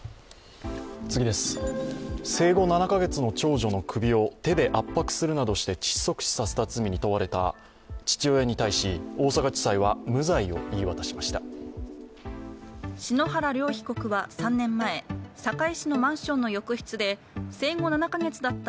生後７か月の長女の首を手で圧迫するなどして窒息死させた罪に問われた父親に対し大阪地裁は無罪を言い渡しました。